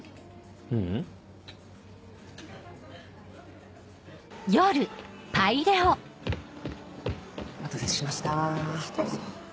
ううん。お待たせしましたどうぞ。